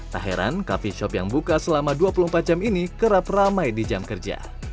dan coffee shop yang buka selama dua puluh empat jam ini kerap ramai di jam kerja